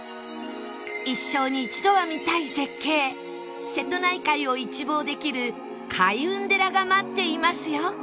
一生に一度は見たい絶景瀬戸内海を一望できる開運寺が待っていますよ